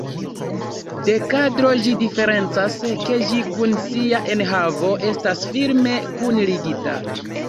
De kadro ĝi diferencas, ke ĝi kun sia enhavo estas firme kunligita.